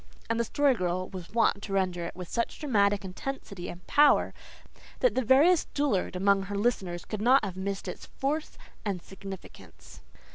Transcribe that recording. and the Story Girl was wont to render it with such dramatic intensity and power that the veriest dullard among her listeners could not have missed its force and significance.